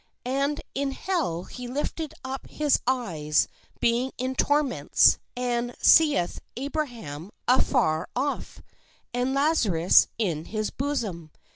And in hell he lifted up his eyes, being in torments, and seeth Abraham afar off, and Lazarus in his bosom.